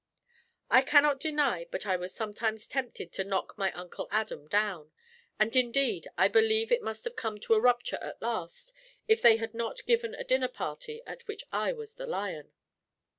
I cannot deny but I was sometimes tempted to knock my Uncle Adam down; and indeed I believe it must have come to a rupture at last, if they had not given a dinner party at which I was the lion.